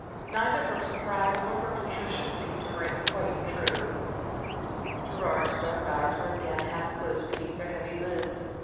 Neither her surprise nor her contrition seemed to ring quite true. Gerard's dark eyes were again half closed beneath their heavy lids.